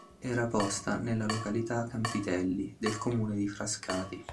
Era posta nella località Campitelli del comune di Frascati.